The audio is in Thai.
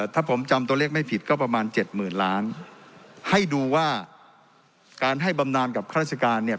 ถ้าผมจำตัวเลขไม่ผิดก็ประมาณเจ็ดหมื่นล้านให้ดูว่าการให้บำนานกับข้าราชการเนี่ย